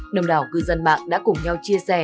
đồng đảo cư dân mạng đã cùng nhau chia sẻ